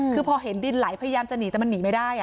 คือพอเห็นดินไหลพยายามจะหนีแต่มันหนีไม่ได้